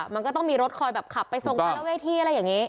มันก็ต้องมีรถคอยแบบขับไปส่งไปละเวทีอะไรอย่างนี้